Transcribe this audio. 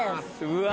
うわ。